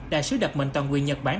đại sứ đặc mệnh toàn quyền nhật bản